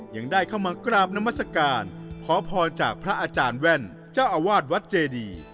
ยังได้เข้ามากราบนามัศกาลขอพรจากพระอาจารย์แว่นเจ้าอาวาสวัดเจดี